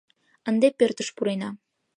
Ынде пӧртыш пурена.